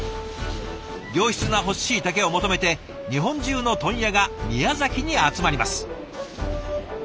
良質な乾しいたけを求めて日本中の問屋が宮崎に集まります。